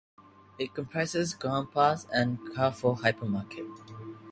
It comprises Grand'Place and the Carrefour hypermarket.